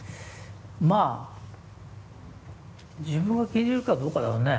まあ自分が気に入るかどうかだろうね。